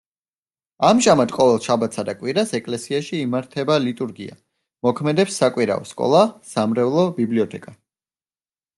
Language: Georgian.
ამჟამად ყოველ შაბათსა და კვირას ეკლესიაში იმართება ლიტურგია, მოქმედებს საკვირაო სკოლა, სამრევლო ბიბლიოთეკა.